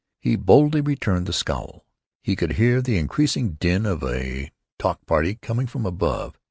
He boldly returned the scowl. He could hear the increasing din of a talk party coming from above.